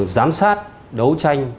giám sát đấu tranh